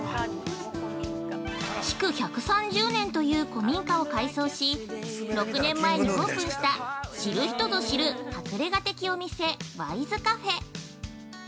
◆築１３０年という古民家を改装し６年前にオープンした知る人ぞ知る隠れ家的お店ワイズカフェ。